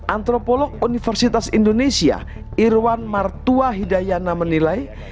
antropolog universitas indonesia irwan martua hidayana menilai